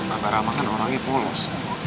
beberapa ramah kan orangnya polos